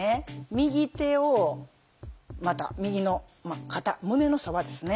右手をまた右の肩胸のそばですね